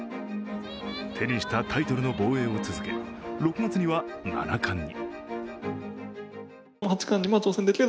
手にしたタイトルの防衛を続け、６月には七冠に。